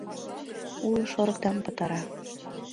Уло шорыкдам пытара.